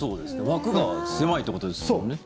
枠が狭いっていうことですよね。